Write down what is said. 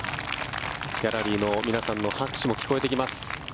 ギャラリーの皆さんの拍手も聞こえてきます。